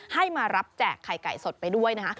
ให้มารับแจกไข่ไก่สดไปด้วยนะคะ